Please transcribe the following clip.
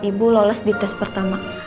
ibu lolos di tes pertama